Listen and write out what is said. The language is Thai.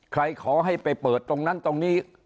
ขอให้ไปเปิดตรงนั้นตรงนี้